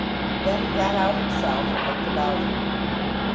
Then he got out himself and looked about him.